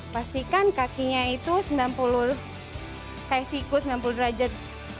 pastikan kakinya itu sembilan puluh kayak siku sembilan puluh derajat